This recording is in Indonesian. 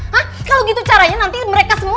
hah kalau gitu caranya nanti mereka semua